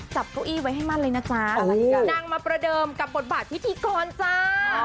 เก้าอี้ไว้ให้มั่นเลยนะจ๊ะนางมาประเดิมกับบทบาทพิธีกรจ้า